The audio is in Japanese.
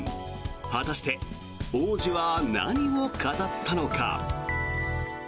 果たして、王子は何を語ったのか。